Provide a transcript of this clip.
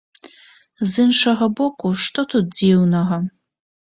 З іншага боку, што тут дзіўнага?